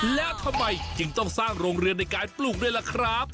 แล้วทำไมจึงต้องสร้างโรงเรือนในการปลูกด้วยล่ะครับ